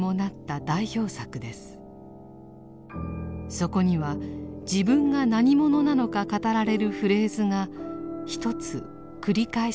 そこには自分が何者なのか語られるフレーズがひとつ繰り返し出てきます。